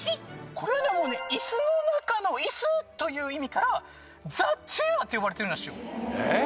これはもうね椅子の中の椅子という意味からザ・チェアって呼ばれてるなっしよ。